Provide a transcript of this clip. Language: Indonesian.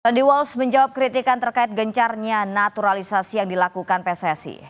tony wolves menjawab kritikan terkait gencarnya naturalisasi yang dilakukan pssc